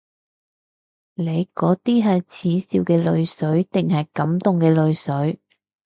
你嗰啲係恥笑嘅淚水定感動嘅淚水？